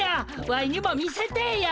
ワイにも見せてえや。